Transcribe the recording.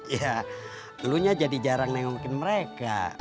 ya dulunya jadi jarang nengokin mereka